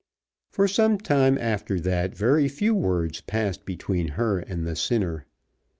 For some time after that very few words passed between her and the sinner.